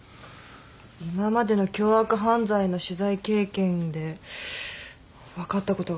今までの凶悪犯罪の取材経験で分かったことがあるみたい。